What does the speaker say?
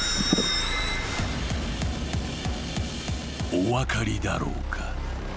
［お分かりだろうか？］